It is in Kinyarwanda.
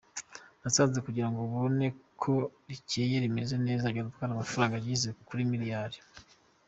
Nasanze kugira ngo ubone ko rikeye rimeze neza byadutwara amafaranga ageze kuri miriyari.